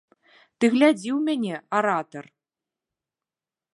Ты глядзі ў мяне, аратар!